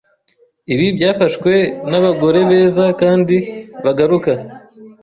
Ibi byafashwe nabagore beza Kandi bagaruka